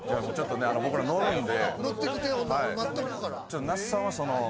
僕ら乗るんで。